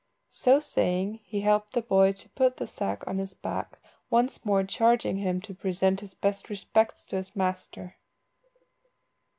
So saying he helped the boy to put the sack on his back, once more charging him to present his best respects to his master.